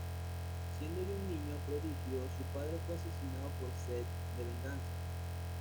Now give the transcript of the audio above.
Siendo ya un niño prodigio, su padre fue asesinado por sed de venganza.